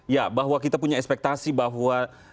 ya bahwa kita punya ekspektasi bahwa